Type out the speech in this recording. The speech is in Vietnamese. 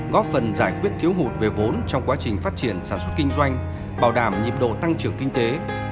góp phần giải quyết thiếu hụt về vốn trong quá trình phát triển sản xuất kinh doanh bảo đảm nhịp độ tăng trưởng kinh tế